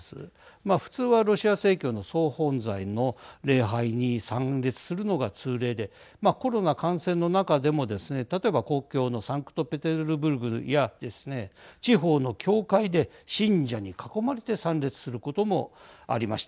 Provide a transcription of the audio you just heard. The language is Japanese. まあ、普通はロシア正教の総本山の礼拝に参列するのが通例で、まあコロナ感染の中でもですね例えば故郷のサンクトペテルブルクやですね地方の教会で信者に囲まれて参列することもありました。